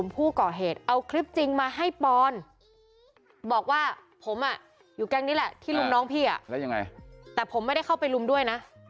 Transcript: พี่ปอนบอกว่าผมอยู่แก่งนี้แหละที่รุ่มน้องพี่แต่ผมไม่ได้เข้าไปรุ่มด้วยนะ